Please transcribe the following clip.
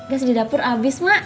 gas di dapur habis mak